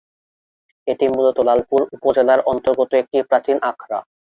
এটি মূলত লালপুর উপজেলার অন্তর্গত একটি প্রাচীন আখড়া।